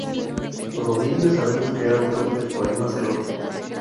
Por Ovidio sabemos que era autor de poemas eróticos.